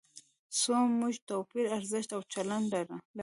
خو موږ توپیري ارزښت او چلند لرو.